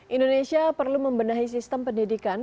indonesia perlu membenahi sistem pendidikan